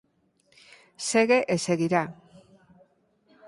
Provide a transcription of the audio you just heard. _Segue e seguirá.